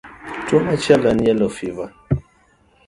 Tuwo machielo en yellow fever.